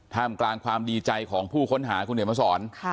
กลางความดีใจของผู้ค้นหาคุณเห็นมาสอน